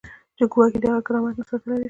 چې ګواکې د هغه کرامت مو ساتلی دی.